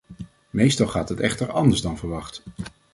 Meestal gaat het echter anders dan verwacht.